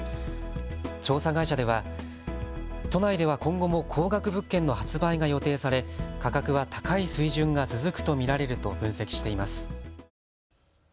調査会社では都内では今後も高額物件の発売が予定され価格は高い水準が続くと見られると分析しています。